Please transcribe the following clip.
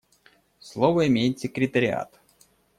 Слово имеет секретариат.